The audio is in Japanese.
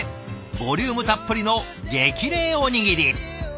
ボリュームたっぷりの激励おにぎり。